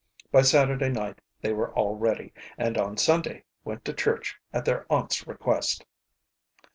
By Saturday night they were all ready, and on Sunday went to church at their aunt's request.